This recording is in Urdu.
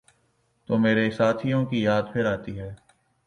تو مرے ساتھیوں کی یاد پھرآتی ہے۔